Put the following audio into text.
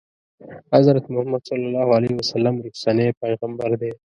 حضرت محمد صلی الله علیه وسلم وروستنی پیغمبر دی.